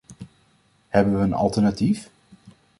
Hebben we een alternatief?